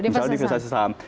misalnya diversasi saham